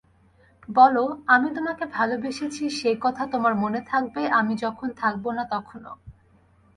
বলো, আমি তোমাকে ভালোবেসেছি সে-কথা তোমার মনে থাকবে আমি যখন থাকব না তখনও।